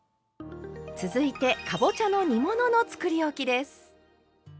続いてかぼちゃの煮物のつくりおきです。